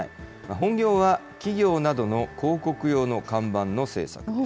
本業は企業などの広告用の看板の製作です。